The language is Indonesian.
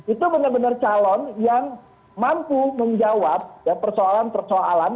itu benar benar calon yang mampu menjawab persoalan persoalan